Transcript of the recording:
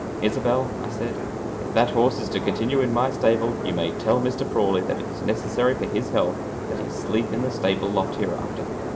"Isobel," I said, "if that horse is to continue in my stable you may tell Mr. Prawley that it is necessary for his health that he sleep in the stable loft hereafter.